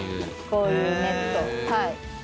こういうネットをはい。